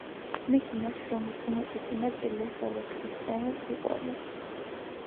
მისი ნაშრომის უმეტესი ნაწილი ეხება ქრისტიანულ სიყვარულს.